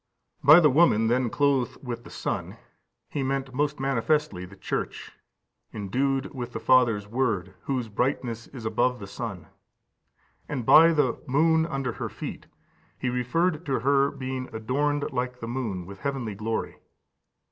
15341534 Rev. xii. 1–6, etc. 61. By the woman then clothed with the sun," he meant most manifestly the Church, endued with the Father's word,15351535 τὸν Λόγον τὸν Πατρῷον. whose brightness is above the sun. And by the "moon under her feet" he referred to her being adorned, like the moon, with heavenly glory.